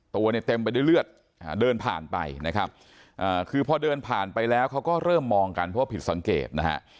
ตัวเนี่ยเต็มไปด้วยเลือดเดินผ่านไปนะครับคือพอเดินผ่านไปแล้วเขาก็เริ่มมองกันเพราะว่าผิดสังเกตนะฮะ